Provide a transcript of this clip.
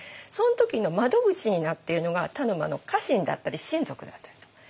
その時の窓口になっているのが田沼の家臣だったり親族だったりと。